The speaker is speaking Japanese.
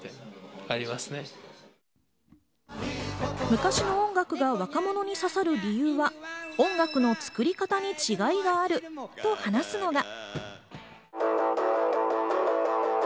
昔の音楽が若者に刺さる理由は、音楽の作り方に違いがあると話すのが。